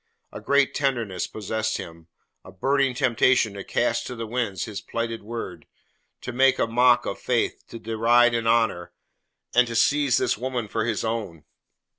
A great tenderness possessed him. A burning temptation to cast to the winds his plighted word, to make a mock of faith, to deride honour, and to seize this woman for his own.